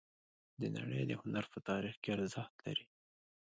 د نړۍ د هنر په تاریخ کې ارزښت لري